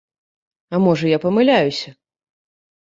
А можа я памыляюся?